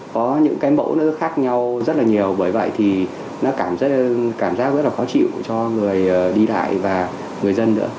có những cái mẫu nữa khác nhau rất là nhiều bởi vậy thì nó cảm giác rất là khó chịu cho người đi lại và người dân nữa